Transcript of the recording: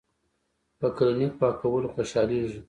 پۀ کلینک پاکولو خوشالیږي ـ